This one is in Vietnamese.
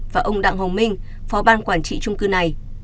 và ông đặng hồng minh phó ban quản trị trung cư này